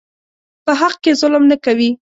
په حق کې ظلم نه کوي.